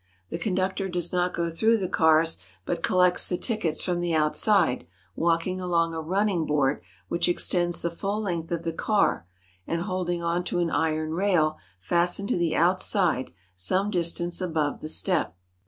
The conductor does not go through the cars, but collects the tickets from the outside, walking along a running board which extends the full length of the car and holding on to an iron rail fastened to the outside some distance above the step.